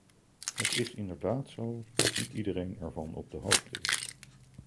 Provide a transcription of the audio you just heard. Het is inderdaad zo dat niet iedereen ervan op de hoogte is.